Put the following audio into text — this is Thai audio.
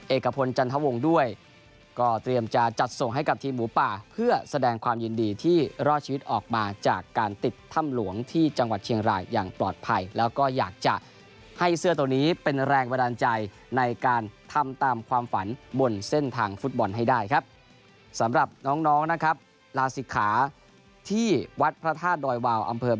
เอกพลจันทวงด้วยก็เตรียมจะจัดส่งให้กับทีมหมูป่าเพื่อแสดงความยินดีที่รอดชีวิตออกมาจากการติดถ้ำหลวงที่จังหวัดเชียงรายอย่างปลอดภัยแล้วก็อยากจะให้เสื้อตัวนี้เป็นแรงบันดาลใจในการทำตามความฝันบนเส้นทางฟุตบอลให้ได้ครับสำหรับน้องน้องนะครับลาศิกขาที่วัดพระธาตุดอยวาวอำเภอ